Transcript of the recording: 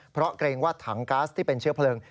เพราะเกรงว่าถังก๊าซที่เป็นเชื้อเพลิง